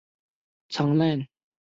曾任台南市美术研究会会长。